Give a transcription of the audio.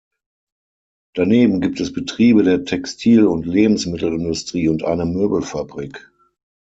Daneben gibt es Betriebe der Textil- und Lebensmittelindustrie und eine Möbelfabrik.